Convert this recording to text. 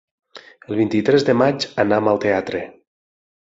El vint-i-tres de maig anam al teatre.